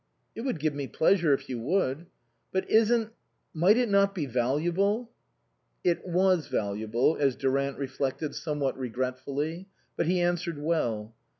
" It would give me pleasure if you would." " But isn't might it not be valuable ?" It was valuable, as Durant reflected somewhat regretfully, but he answered well.